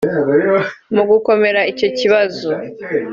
Mu gukomera icyo kibazo